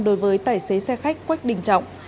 đối với tài xế xe khách quách đình trọng